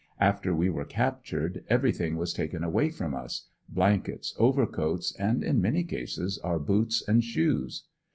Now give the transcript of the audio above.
After we were captured everything was taken away from us, blankets, overcoats, and in many cases our boots and shoes.